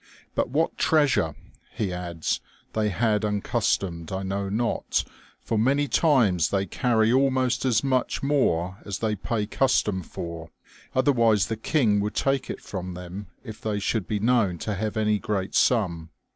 " But what treasure," he adds, "they had uncustomed I know not, for many times they carry almost as much more as they pay custom for ; otherwise the king would take it from them if they should be known to have any great sum."